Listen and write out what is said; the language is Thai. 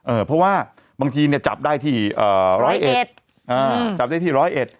เออเพราะว่าบางทีเนี่ยจับได้ที่เอ่อร้อยเอ็ดอ่าจับได้ที่ร้อยเอ็ด